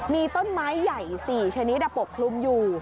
มีต้นไม้ใหญ่๔ชนิดปกคลุมอยู่